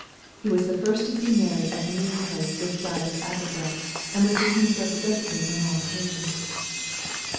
He was the first to see Mary at the meeting place this side of Abbeville, and was the king's representative on all occasions.